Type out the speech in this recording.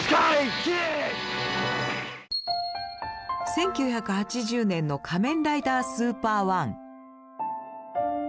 １９８０年の「仮面ライダースーパー１」。